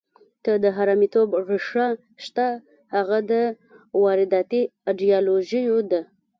که د حرامیتوب ریښه شته، هغه د وارداتي ایډیالوژیو ده.